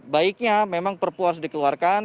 baiknya memang perpu harus dikeluarkan